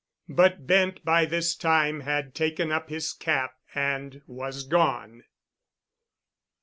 "] But Bent by this time had taken up his cap, and was gone.